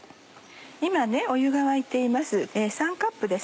今湯が沸いています